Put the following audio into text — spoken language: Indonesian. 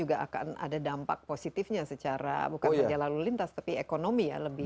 ada dampak positifnya secara bukan saja lalu lintas tapi ekonomi ya lebih